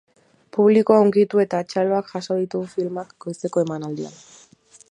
Publikoa hunkitu eta txaloak jaso ditu filmak goizeko emanaldian.